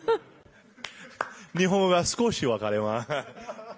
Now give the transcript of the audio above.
日本語は少し分かります。